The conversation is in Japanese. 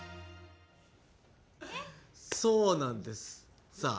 そうなんです。